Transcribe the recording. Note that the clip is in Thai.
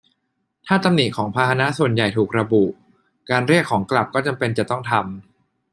ถ้าตำหนิของพาหนะส่วนใหญ่ถูกระบุ การเรียกของกลับก็จำเป็นจะต้องทำ